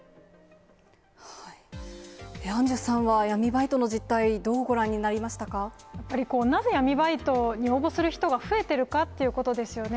アンジュさんは闇バイトの実やっぱり、なぜ闇バイトに応募する人が増えているかということですよね。